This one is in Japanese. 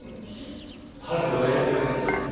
悠人がやってくれたんや。